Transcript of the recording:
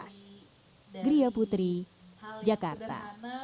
jangan lupa like share dan subscribe ya